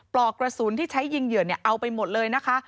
ปลอกกระสุนที่ใช้ยิงเหยื่อเอาไปหมดเลยนะคะ